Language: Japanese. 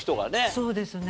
そうですね。